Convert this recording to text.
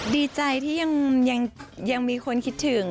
ดีใจที่ยังมีคนคิดถึง